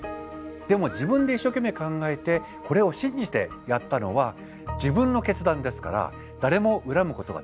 でも自分で一生懸命考えてこれを信じてやったのは自分の決断ですから誰も恨むことができません。